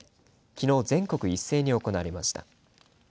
きのう全国一斉に行われました。